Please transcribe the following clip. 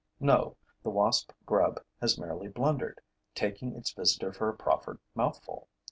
No, the wasp grub has merely blundered, taking its visitor for a proffered mouthful.